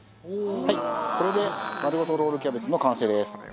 はいこれで丸ごとロールキャベツの完成です。